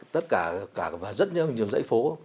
tất cả và rất nhiều dãy phố